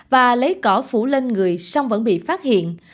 và lấy cỏ phủ lên người song vẫn bị phát hiện